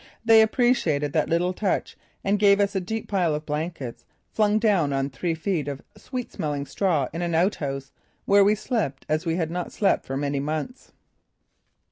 They appreciated that little touch and gave us a deep pile of blankets, flung down on three feet of sweet smelling straw in an outhouse, where we slept as we had not slept for many months.